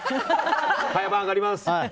早番、上がります！